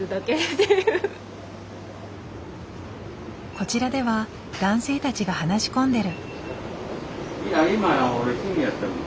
こちらでは男性たちが話し込んでる。